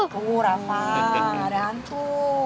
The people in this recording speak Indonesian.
tuh rafa gak ada hantu